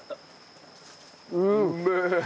うめえ！